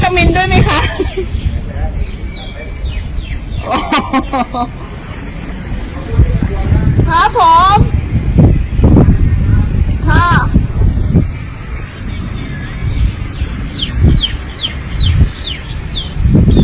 เกิดยังไงต้นยกเป็นไรนะคะ